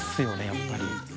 やっぱり。